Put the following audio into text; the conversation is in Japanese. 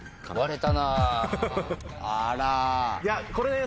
あら。